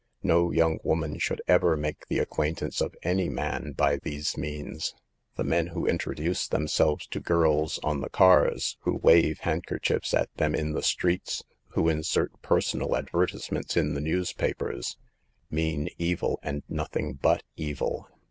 No young woman should ever make the acquaintance of any man by these means. The men who introduce them selves to girls on the cars, who wave handker chiefs at them in the streets, who insert "per sonal " advertisements in the newspapers, mean evil and nothing but evil.